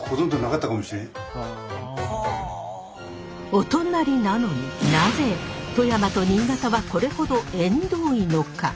お隣なのになぜ富山と新潟はこれほど縁遠いのか？